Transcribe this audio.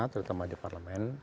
terutama di parlemen